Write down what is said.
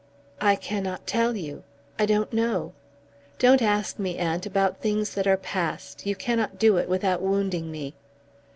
"I cannot tell you. I don't know. Don't ask me, aunt, about things that are passed. You cannot do it without wounding me."